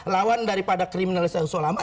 lawan daripada kriminalis yang sulama